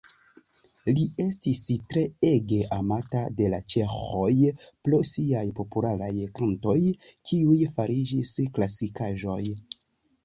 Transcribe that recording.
Li estis treege amata de la ĉeĥoj pro siaj popularaj kantoj, kiuj fariĝis klasikaĵoj.